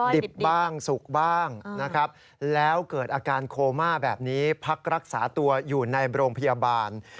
ดิบบ้างสุกบ้างนะครับแล้วเกิดอาการโคม่าแบบนี้พักรักษาตัวอยู่ในโรงพยาบาล